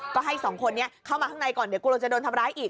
ก็ให้สองคนนี้เข้ามาข้างในก่อนเดี๋ยวกลัวจะโดนทำร้ายอีก